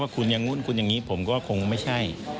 คุณอย่างนู้นคุณอย่างนี้ผมก็คงไม่ใช่